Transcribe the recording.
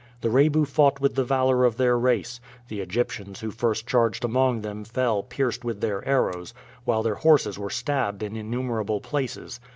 The Rebu fought with the valor of their race. The Egyptians who first charged among them fell pierced with their arrows, while their horses were stabbed in innumerable places.